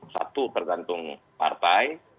satu tergantung partai